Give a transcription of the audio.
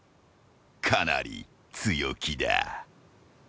［かなり強気だ］